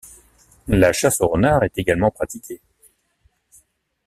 La chasse au renard est également pratiquée.